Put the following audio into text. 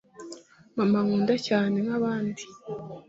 mama nkunda cyane nkabandi,